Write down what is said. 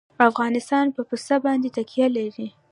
افغانستان په پسه باندې تکیه لري.